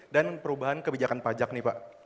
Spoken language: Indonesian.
dan perubahan kebijakan pajak nih pak